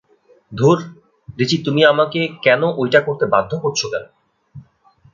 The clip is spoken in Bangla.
ধুর, রিচি তুমি আমাকে কেনো ঐটা করতে বাধ্য করছ কেনো?